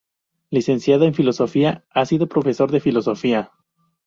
Licenciado en Filosofía, ha sido profesor de Filosofía.